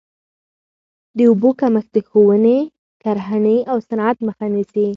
د اوبو کمښت د ښووني، کرهڼې او صنعت مخه نیسي.